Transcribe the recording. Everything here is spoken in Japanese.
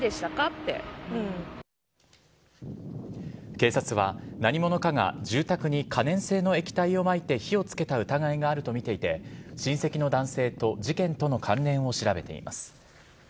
警察は、何者かが住宅に可燃性の液体をまいて火をつけた疑いがあるとみていて親戚の男性と事件との関連を調べています。